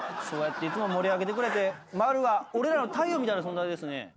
そうやっていつも盛り上げてくれてマルは俺らの太陽みたいな存在ですね。